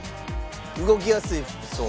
動きやすい服装。